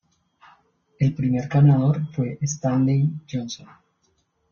El primer ganador fue Stanley Johnson.